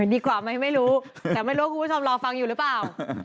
ดีกว่าไหมไม่รู้แต่ไม่รู้ว่าคุณผู้ชมรอฟังอยู่หรือเปล่า